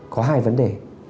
có hai vấn đề